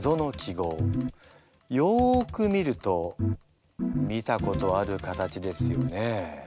よく見ると見たことある形ですよね？